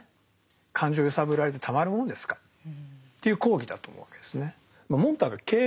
感情を揺さぶられてたまるものですかという抗議だと思うわけですね。